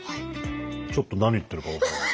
ちょっと何言ってるか分からない。